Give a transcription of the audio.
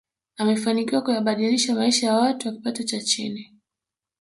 amefanikiwa kuyabadilisha maisha ya watu wa kipato cha chini